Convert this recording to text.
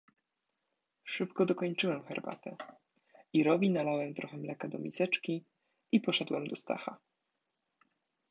"Szybko dokończyłem herbatę, Irowi nalałem trochę mleka do miseczki i poszedłem do Stacha."